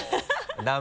ダメ？